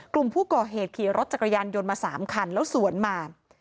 กลุ่มผู้ก่อเหตุขี่รถจักรยานยนต์มา๓คันแล้วสวนมา